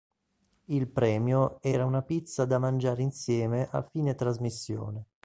Il premio era una pizza da mangiare insieme a fine trasmissione.